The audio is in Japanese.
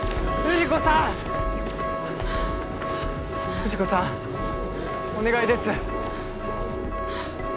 藤子さんお願いです。